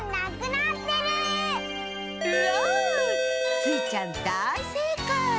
スイちゃんだいせいかい！